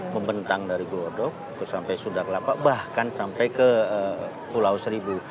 membentang dari glodok sampai sudaklapa bahkan sampai ke pulau seribu